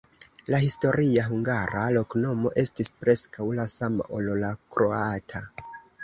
La historia hungara loknomo estis preskaŭ la sama, ol la kroata.